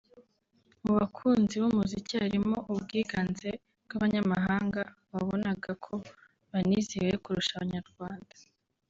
mu bakunzi b’umuziki harimo ubwiganze bw’abanyamahanga wabonaga ko banizihiwe kurusha Abanyarwanda